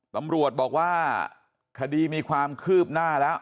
ตำรวจบอกว่าคดีมีความคืบหน้าแล้ว